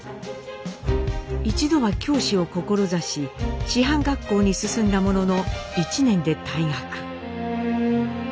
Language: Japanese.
一度は教師を志し師範学校に進んだものの１年で退学。